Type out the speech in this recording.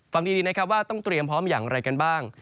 ฟังดีนะครับว่าต้องเตรียมพร้อมอย่างไรกันบ้าง